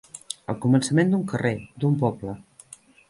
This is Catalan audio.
El començament d'un carrer, d'un poble.